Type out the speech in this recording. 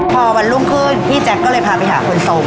พอวันรุ่งขึ้นพี่แจ๊คก็เลยพาไปหาคนทรง